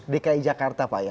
dki jakarta pak ya